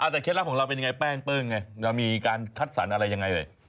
แต่เคล็ดลับของเราเป็นยังไงแป้งเปิ้งไงเรามีการคัดสรรอะไรยังไงเลย